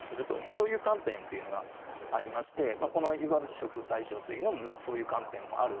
そういう観点がありましてこのイワショフ大将というのもそういう観点もある。